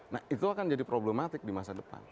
nah itu akan jadi problematik di masa depan